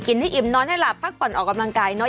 ให้อิ่มนอนให้หลับพักผ่อนออกกำลังกายเนอ